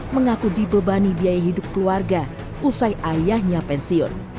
mengaku dibebani biaya hidup keluarga usai ayahnya pensiun